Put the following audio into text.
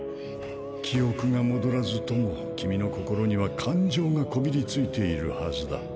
記憶が戻らずとも君の心には感情がこびりついているハズだ。